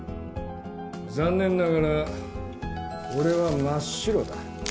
残念ながら俺は真っ白だ。